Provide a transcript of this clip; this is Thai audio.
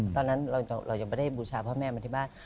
ตอนนั้นเรายังไม่ได้บูชาพ่อแม่มาที่บ้าน